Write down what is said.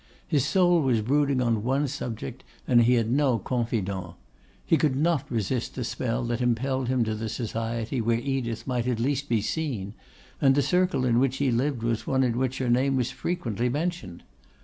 His soul was brooding on one subject, and he had no confidant: he could not resist the spell that impelled him to the society where Edith might at least be seen, and the circle in which he lived was one in which her name was frequently mentioned.